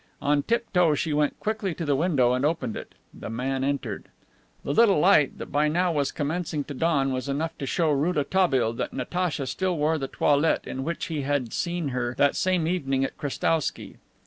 On tiptoe she went quickly to the window and opened it. The man entered. The little light that by now was commencing to dawn was enough to show Rouletabille that Natacha still wore the toilette in which he had seen her that same evening at Krestowsky.